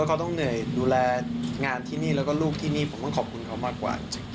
เขาต้องเหนื่อยดูแลงานที่นี่แล้วก็ลูกที่นี่ผมต้องขอบคุณเขามากกว่า